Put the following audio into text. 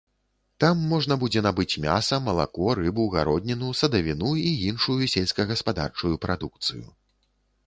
Там можна будзе набыць мяса, малако, рыбу, гародніну, садавіну і іншую сельскагаспадарчую прадукцыю.